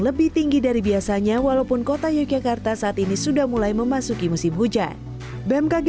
lebih tinggi dari biasanya walaupun kota yogyakarta saat ini sudah mulai memasuki musim hujan bmkg